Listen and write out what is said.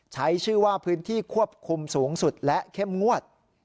ใช้ชื่อว่าพื้นที่ควบคุมสูงสุดและเข้มงวด